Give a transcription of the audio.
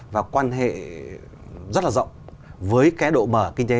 và quan hệ rất là rộng với cái độ mở kinh tế